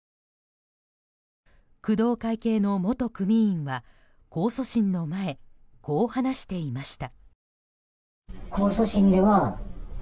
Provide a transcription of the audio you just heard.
工藤会系の元組員は控訴審の前こう話していました。